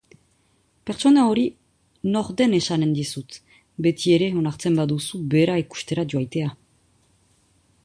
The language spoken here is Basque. Pertsona hori nor den esanen dizut, betiere onartzen baduzu bera ikustera joatea.